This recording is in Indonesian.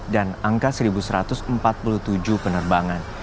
dan angka satu satu ratus empat puluh tujuh penerbangan